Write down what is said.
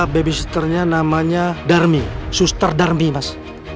babysitternya namanya darmi suster darmi mas